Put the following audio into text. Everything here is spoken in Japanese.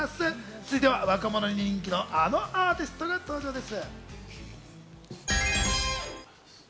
続いては若者に人気のあのアーティストが登場です。